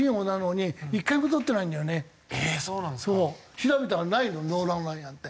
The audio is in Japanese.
調べたらないのノーラン・ライアンって。